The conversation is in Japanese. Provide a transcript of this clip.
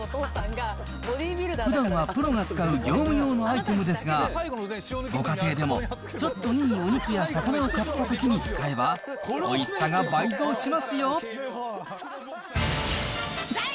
ふだんはプロが使う業務用のアイテムですが、ご家庭でも、ちょっといいお肉や魚を買ったときに使えば、おいしさが倍増しま